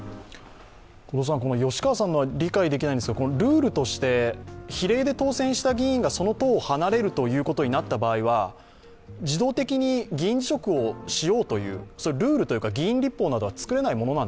吉川さんが理解できないんですが、ルールとして比例で当選した議員がその党を離れることになった場合は自動的に議員辞職をしようというルールというか議員律法みたいな